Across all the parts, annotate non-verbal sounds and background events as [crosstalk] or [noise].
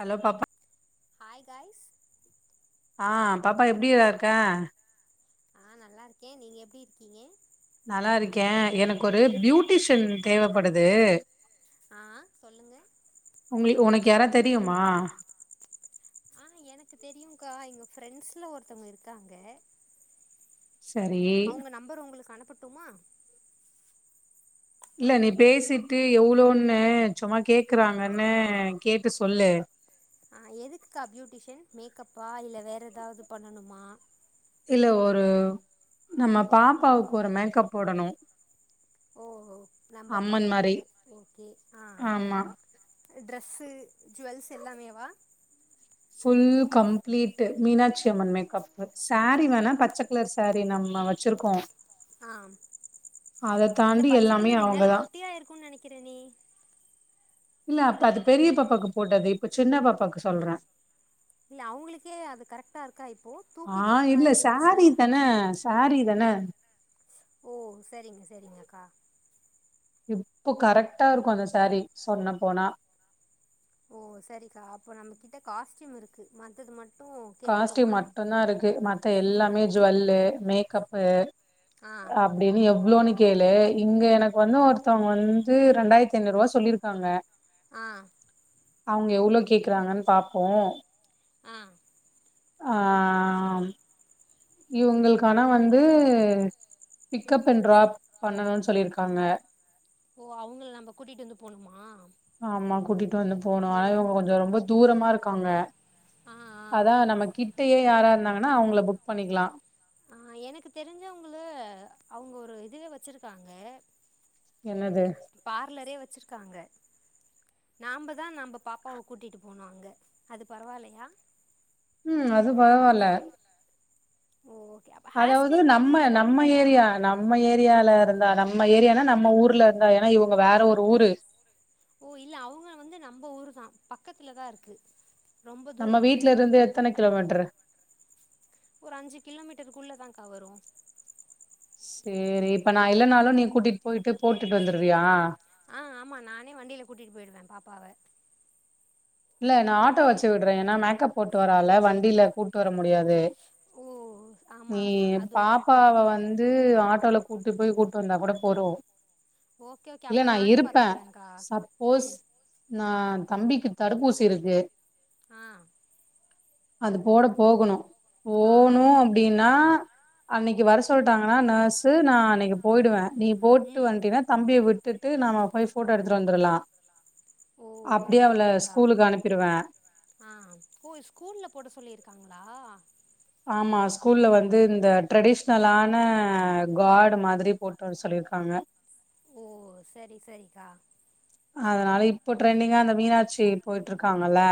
hello பாப்பா hi guys ஆஹ் பாப்பா எப்படிடா இருக்க ஆஹ் நல்லா இருக்கேன் நீங்க எப்படி இருக்கீங்க நல்லா இருக்கேன் எனக்கு ஒரு பியூட்டிஷியன் தேவைப்படுது உங்களுக்கு உனக்கு யாராவ தெரியுமா ஆஹ் எனக்கு தெரியும்கா இங்க ஃப்ரெண்ட்ஸ்ல ஒருத்தவங்க இருக்காங்க அவங்க நம்பற உங்களுக்கு அனு பட்டுமா இல்ல நீ பேசிட்டு எவ்வளவுன்னு சும்மா கேக்குறாங்கன்னு கேட்டு சொல்லு மேக்கப்பா இல்ல வேற ஏதாவது பண்ணணுமா இல்ல ஒரு நம்ம பாப்பாவுக்கு ஒரு மேக்கப் போடணும் ஓ நம்ப பாப்பாக்கு ஓகே ஆஹ் ட்ரெஸ்ஸு ஜுவல்ஸ் எல்லாமே வா full complete Meenakshi Amman makeup sari வேணா பச்சை கலர் சாரீ நம்ம வச்சிருக்கோம் ஆஹ் இந்த பச்சை கலரு இந்நேரம் குட்டியா இருக்கும் னு நினைக்கிறனே இல்ல அப்ப அது பெரிய பாப்பாக்கு போட்டது இப்ப சின்ன பாப்பாவுக்கு சொல்றேன் இல்ல அவங்களுக்கே அது கரெக்டா இருக்கா இப்போ தூக்கிட்டு இருக்க மாரி இருந்துச்சுல்ல ஓ சரிங்க சரிங்கக்கா இப்போ கரெக்ட்டா இருக்கும் அந்த சாரி சொல்ல போனா ஓ சரிக்கா அப்போ நம்ம கிட்ட காஸ்டயூம் இருக்கு அது மட்டும் காஸ்ட்யூம் மட்டும்தான் இருக்கு மத்த எல்லாமே ஜுவெல்லு மேக்கப் [inaudible] அப்டின்னு எவ்ளோன்னு கேளு இங்க எனக்கு வந்து ஒருத்தவங்க வந்து ரெண்டாயிரத்தி ஐநூறு ரூபா சொல்லிருக்காங்க ஆஹ் அவங்க எவ்ளோ கேக்குறாங்கன்னு பாப்போம் ஆஹ் ஆஹ இவங்களுக்கானா வந்து பிக்கப் அண்ட் டிராப் பண்ணணும் னு சொல்லியிருக்காங்க ஓ அவங்கள நம்ம கூட்டிட்டு வந்து போன்னுமா ஆமா கூட்டிட்டு வந்து போகனும் ஆனா இவங்க கொஞ்சோ ரொம்ப தூரமா இருக்காங்க அதான் நம்ம கிட்டயே யாரா இருந்த அவங்களை புக் பண்ணிக்கலாம் அஹ் எனக்கு தெரிஞ்சவங்கள அவங்க ஒரு இதுவே வச்சிருக்காங்க என்னது வச்சிருக்காங்க நாம தா நம்ப பாப்பாவ கூட்டிட்டு போகணு அங்க அது பரவாயில்லையா உம் அது பரவால அதாவது நம்ம நம்ம ஏரியா நம்ம ஏரியால இருந்தாத நம்ம ஏரியானா நம்ம ஊர்ல இருந்தா ஏன்னா இவங்க வேற ஒரு ஊரு ஓ இல்ல அவங்க வந்து நம்ம ஊரு தா பக்கத்துலதா இருக்கு நம்ம வீட்ல இருந்து எத்தன கிலோமீட்டரு ஒரு அஞ்சு கிலோமீட்டருக்குள்ளதா ங்கா வரு சேரி இப்ப நா இல்லைனாலு நீ கூட்டிட்டு போயிட்டு போட்டுட்டு வந்துருவியா ஆ ஆமா நானே வண்டியில கூட்டிட்டு போயிடுவே பாப்பாவ இல்ல நா ஆட்டோ வச்சு விடுறே ஏன்னா மேக்கப் போட்டு வரால வண்டியில கூட்டு வர முடியாது நீ பாப்பாவ வந்து ஆட்டோல கூட்டி போய் கூட் ந்தா கூட போது இல்ல நா இருப்பே சப்போஸ் நா தம்பிக்கு தடுப்பூசி இருக்கு ஆ அது போட போகணு போணு அப்டின்னா அன்னைக்கு வர சொல்லிட்டாங்கனா நர்ஸு நா அன்னைக்கு போயிடுவே நீ போட்டு வந்தினா தம்பிய விட் ட்டு நாம போய் போட்டோ எடுத்துட்டு வந்த்ரலா அப்டியாவல ஆ ஓ ஸ்கூல்ல போட சொல்லியிருக்காங்களா ஆமா ஸ்கூல்ல வந்து இந்த ட்ரெடிஷ்னலான காட் மாதிரி போட்டு வர சொல்லியிருக்காங்க ஓ சரி சரிக்கா அதனால இப்போ ட்ரெண்டிங்கா அந்த மீனாட்சி போயிட்டு இருக்காங்கல்ல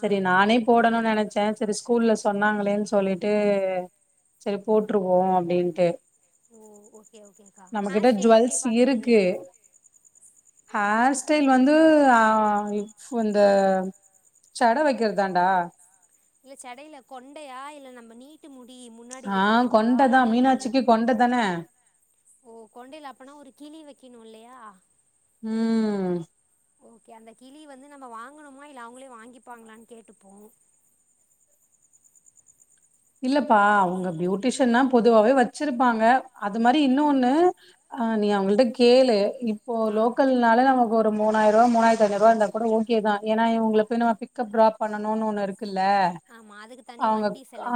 சரி நானே போடணும்ன் நெனச் ச்சே சரி ஸ்கூல்ல சொன்னாங்களேன் சொல்லிட்டு சரி போட்டுருவோ அப்டின்ட்டு ஓ ஓகே ஓகேக்கா ஹர் ஸ்டைல் எப்டி பாக்குறீங்க ஹேர் ஸ்டைல் வந்து ஆஅ அந்த ச்சட வைக்கிறதான்டா இல்ல சடையில கொண்டையா இல்ல நம்ம நீட்டு முடி ஆஹ் கொண்ட தா மீனாட்சிக்கு கொண்ட தானே ஓ கொண்டைல அப்பனா ஒரு கிளி வெக்கணு இல்லயா ம் ஓகே அந்த கிளி வந்து நம்ம வாங்கணுமா இல்ல அவங்களே வாங்கிப்பாங்களான் கேட்டுப்போ இல்லப்பா அவங்க பியூட்டிஷன் தா பொதுவாவே வச்சிருப்பாங்க அது மாரி இன்னு ஒண்ணு ஆ நீ அவங்கள்ட கேளு இப்போ லோக்கல்னால நம்ம ஒரு மூணாயருவா மூணாயத்தைநூருவா இருந்தா கூட ஓகே தா ஏனா இவுங்கள போய் நம்ம பிக்கப் ட்ராப் பண்ணனுனு ஒன்னு இருக் குல்ல அவுங்க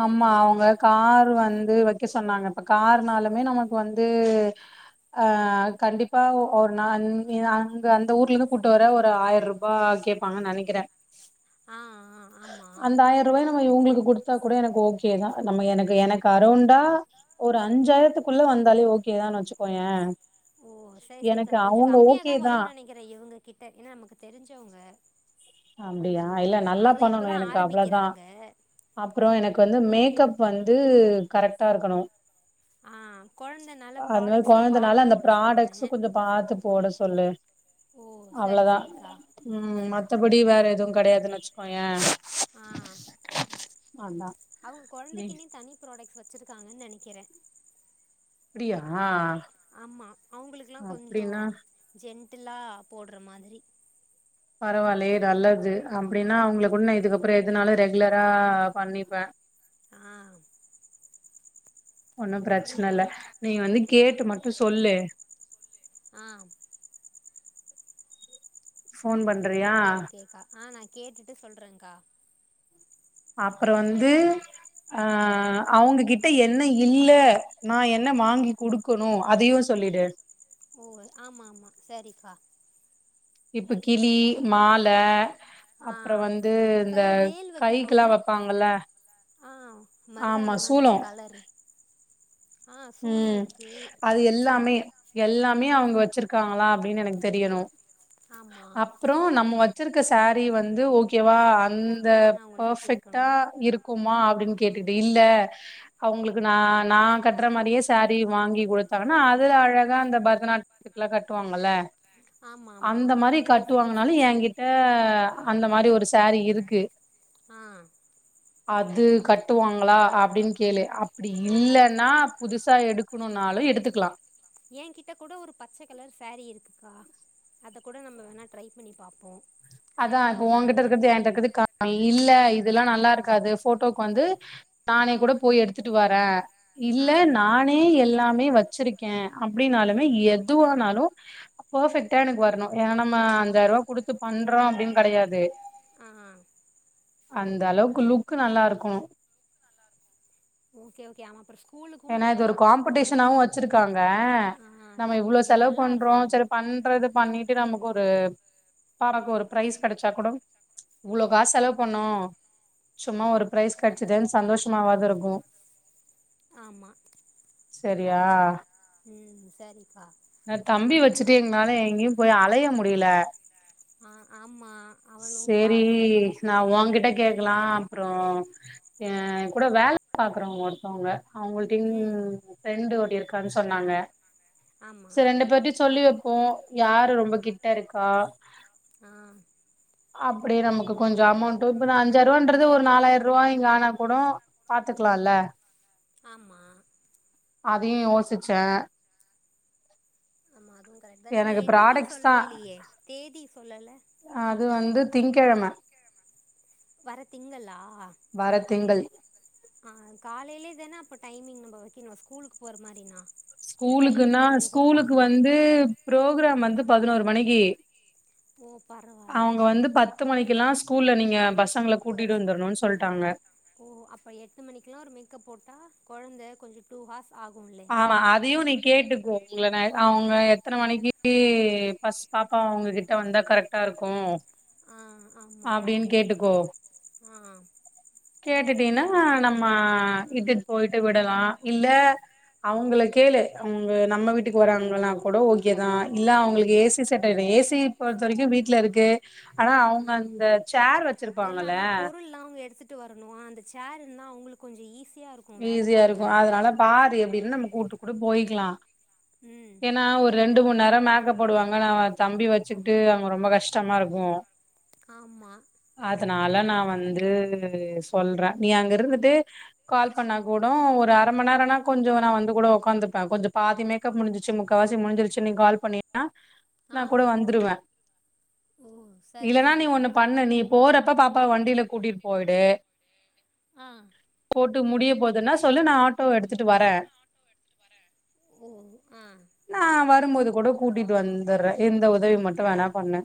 அம்மா அவுங்க காரு வந்து வ க்க சொன்னாங்க இப்ப கார்னாலுமே நமக்கு வந்து அ கண்டிப்பா ஒரு நா அங்க அந்த ஊர்லந்து கூட்டு வர ஒரு ஆயர்ருபா கேப்பாங்கன் நெனக்கிற அந்த ஆயர்ருவாய் நம்ம இவுங்ளுக்கு குடுத்தா கூட எனக்கு ஓகேதா நம்ம எனக்கு எனக்கு அரௌண்டா ஒரு அஞ்சாயிரத்துக்குள்ள வந்தாலே ஓகேதான் வச்சுக்கோயே ஓ செரி செரிக்கா கொஞ்சொ கம்மியாதா வருன் நெனக்கிறே இவுங்க கிட்ட எனா நமக்கு தெருஞ்சவுங்க அப்டியா இல்ல நல்லா பண்ணணு எனக்கு அவ்ளதா அப்றொ எனக்கு வந்து மேக்கப் வந்து கரெக்டா இருக்கணு அந்த மாரி கொழந்தனால அந்த ப்ராடக்ட்ஸு கொஞ்சொ பாத்து போட சொல்லு அவ்ளதா ம் மத் தபடி வேற எதுவ் கெடையாதுன் வச்சுக்கோயே ஆ அவுங்க கொழந்தைக்கின்னே தனி ப்ராடக்ட் வச்சுருக்காங்கன் நெனைக்கிறே அப்பிடியா ஆமா அவுங்களுக்லா கொஞ்சொ ஜென் டில்லா போட்ற மாதிரி பரவாயில்லயே நல்லது அப்டின்னா அவுங்ள கூட் நா இதுக்கப்ற எதுனாலு ரெகுலரா பண்ணிப்பே ஆ ஒன்னு பிரச்சனல்ல நீ வந்து கேட்டு மட்டு சொல்லு ஆ ஃபோன் பண்றியா கேட்டுட்டு சொல்றங்கா அப்புற வந்து அ அவுங்ககிட்ட என்ன இல்ல நா என்ன வாங்கி குடுக்கணு அதையு சொல்லிடு ஓ ஆமா ஆமா சரிக்கா இப்ப கிளி மால அப்ற வந்து இந்த கைக்குல்லா வப்பாங்கல்ல ஆமா சூலொ ம் அது எல்லாமே எல்லாமே அவுங்க வச்சுருக்காங்களா அப்டின் எனக்கு தெரியணு அப்றொ நம்ம வ ச்சுருக்க சாரி வந்து ஓ கேவா அந்த பர்ஃபெக்டா இருக்குமா அப்டின் கேட்டுடு இல்ல அவுங்களுக்கு நா நா கட் ற மாரியே சாரீ வாங்கி குடுத்தாங்கனா அதுல அழகா அந்த பரதநாட்டியத்துக்லா கட்டுவாங்கல்ல அந்த மாரி கட்டுவாங்னாலு எங்கிட்ட அந்த மாரி ஒரு ஸ்சேரி இருக்கு ஆ அது கட்டுவாங்களா அப்டின் கேளு அப்படி இல்லன்னா புதுசா எடுக்குணுனாலு எடுத்துக்குலா ஏங்கிட்ட கூட ஒரு பச்ச கெலரு ஸ்சேரி இருக் குக்கா அத கூட நம்ப வேணா ட்ரை பண்ணி பாப்போ அதா இப்போ உங்கிட்ட இருக்குறது ஏன்ட்ட இருக்குது இல்ல இதெல்லா நல்லா இருக்காது ஃபோட்டோக்கு வந்து நானே கூட போய் எடுத்துட்டு வர இல்ல நானே எல்லாமே வச் ச்சுருக்கே அப்டின்னாலுமே எதுவானாலு போபெக்ட்டா எனக்கு வரணு ஏ நம்ம அஞ்சாயிரூவா குடுத்து பண் றோ அப்டின் கடையாது ஆஆ அந்த அளவுக்கு லுக்கு நல்லா இருக்கணு ஏன்னா இது ஒரு காம்படிஷனாவு வச்சுருக்காங்க நம்ப இவ்ளோ செலவு பண்றோ சரி பண்றது பண்ணிட் நமக்கு ஒரு பாறாக் ஒரு ஃபிரைஸ் கெடச்சா கூட இவ்ளோ காஸ் செலவு பண்ணோ சும்மா ஒரு ஃபிரைஸ் கெடச்சுதுன் சந்தோஷ்மாவாது இருக்கு ஆம்மா ச்சரியா ம் சரிப்பா நா தம்பி வச்சுட்டு எங்னால எங்கியு போய் அலைய முடியல ஆ ஆமா அவனு பாவோ கேக்கலாம் அப்பறோ எங் கூட வேல பாக்குறவங்க ஒருத்தவங்க அவங்கள்ட்டின் ஃப்ரெண்டு ஒரு இருக்கான் சொன்னாங்க செரி ரெண்டு பேர்ட்யு சொல்லி வெப் போ யாரு ரொம்ப கிட்ட இருக்கா ஆ அப்டி நமக்கு கொஞ்ச அமௌண்டு இப்ப நா அஞ்சாயிரூவான்றது ஒரு நாலாயிரூவா இங்க ஆன கூட பாத்துக்கலால்ல ஆமா அதெயு யோசுச்ச ஆமா அதுவு கரெக்ட்தா நீங்க என்னிக்குன் சொல்லவே இல்லியே தேதி சொல்லல திங்கெழம வர திங்களா ஆ காலைலயேதான அப்போ டைமிங் நம்ப வெக்கணு ஸ்கூலுக்கு போற மாரினா ஸ்கூலுக்குன்னா ஸ்கூலுக்கு வந்து புரோக்ராம் வந்து பதினோரு மணிக்கு அவங்க வந்து பத்து மணிக்கெல்லா ஸ்கூல்ல நீங்க பஸ் ச்ச ஓ அப்ப எட்டு மணிக்கெல்லாம் போட்டா கொழங்த் கொஞ்சம் டுஹ ஆ அதயும் நீ கேட்டுக்கோ உங்கள அவ் எத்தனை மணிக்கு ஃபர்ஸ்ட் பாப்பா உங்ககிட்ட வந்தா கரெக்டா இருக்கு அப்டின் கேட்டுக்கோ ஆ கேட்டுட்டீன்னா நம்ம இட்டுட் போயிட்டு விடலா இல்ல அவங்கள கேளு அவங்க நம்ம வீட்டுக்கு வறாங்கன்னா கூட ஓகேதான இல்ல அவங்களுக்கு ஏசி செட் வே ஏசி பொறுத்த வரைக்கும் வீட்டுல இருக்கு ஆனா அவங்க அந்த சேர் வச்சிருப்பாங்கல அந்த சேர் இருந்தா உங்களுக்கு கொஞ்ச ஈஸி ஈஸியா இருக்கு அதனால பாதி எப்டின்னு கூட்டு குடு போயிக்லா ஏன்னா ஒரு ரெண்டு மூணு நேரம் மேக்க போடுவாங்க நா தம்பி வச்சுக்கிட்டு அங்க ரொம்ப கஷ்டமா இருக்கு ஆமா தனால நா வந்து சொல்ற நீ அங்க இருந்துட்டு கால் பண்ணா கூட ஒரு அரை மணி நேரம்னா கொஞ்ச நா வந்து கூட உட்காந்துப்ப கொஞ்ச பாதி மேக்கப் முடிஞ்சிச்சு முக்கால்வாசி முடிஞ்சச்சு நீ கால் பண்ணீனா நா கூட வந்துருவ இல்லன்னா நீ ஒண்ணு பண்ணு நீ போறப்ப பாப்பா வண்டியில கூட்டிட் போய்டு போட்டு முடிய போதுனா சொல்லு நா ஆட்டோ எடுத்துட்டு வர நா வரும்போது கூட கூட்டிட்டு வந்தர்றே இந்த உதவி மட்டு வேணா பண்ணு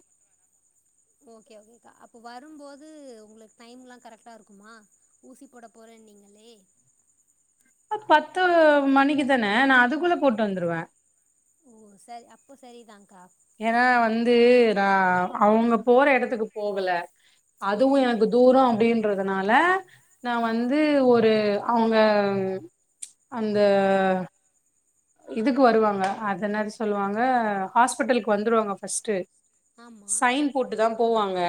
ஓகே ஓகேக்கா அப்போ வரும்போது உங்களுக்கு டைம்லாம் கரெக்ட்டா இருக்குமா ஊசி போட போறேன்னீங்களே பத்து மணிக்குதானே நா அதுக்குள்ள போட்டு வந்துருவே ஓ சரி அப்போ சரிதான்கா ஏன்னா வந்து நா அவங்க போற இடத்துக்கு போகல அதுவும் எனக்கு தூரம் அப்டின்றதுனால ல்ல நா வந்து ஒரு அவங்க அந்த இதுக்கு வருவாங்க அதன சொல்லுவாங்க ஹாஸ்பிடலுக்கு வந்துருவாங்க ஃபர்ஸ்ட் சைன் போட்டுதா போவாங்க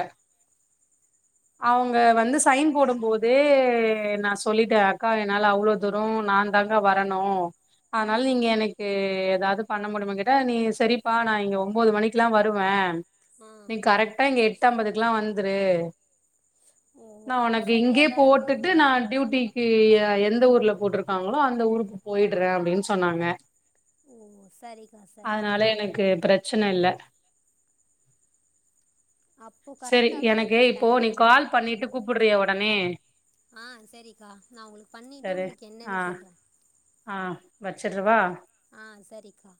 அவங்க வந்து சைன் போடும்போதெ நா சொல்லிட்டே அக்கா என்னால அவ்ளவு தூர நாந்தாக்கா வரணு தனால நீங்க எனக்கு ஏதாவது பண்ண முடியுமக்கெட்ட நீ சரிப்பா நா இங்க ஒம்பது மணிக்கெல்லா வருவே நீங்க கரெக்டா இங்க எட் டம்பதுக்ககெல்லா வந்த்ரு நா உனக்கு இங்கயே போட்டுட்டு நா டியூட்டி ஏ யா எந்த ஊர்ல போட்ருக்காங்ளோ அந்த ஊருக்கு போய்ட்றே அப்டின் சொ சொன்னாங்க அதனால எனக்கு ப்ரச் சன இல்ல சரி எனக்கு இப்போ நீ கால் பண்ணிட்டு கூப்புடுறியா வ தானே ஆ செரிக்கா நா உங்ளுக்கு பண்ணிட்டு உங்ளுக்கு என்னன்னு சொல்றே ஆ வச்சட்ருவா ஆ சரிக்கா